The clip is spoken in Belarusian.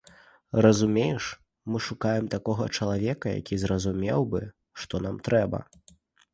Разумееш, мы шукаем такога чалавека, які зразумеў бы, што нам трэба.